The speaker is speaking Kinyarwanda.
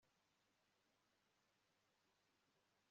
yavuganywe n amavuta ya elayo Muturane na cya